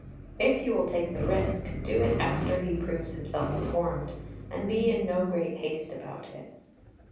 If you will take the risk, do it after he proves himself reformed, and be in no great haste about it.